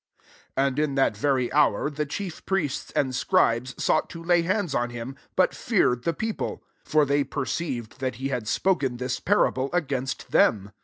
19 And in that very hour, the chief priests and scribes sought to lay hands on him, but feared the people : for they perceived that he had spoken this parable against them.